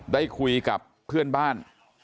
ได้คุยกับเพื่อนบ้าน